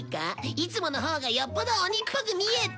いつものほうがよっぽど鬼っぽく見えて。